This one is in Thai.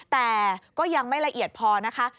แต่ก็ยังไม่ละเอียดพอนะคะ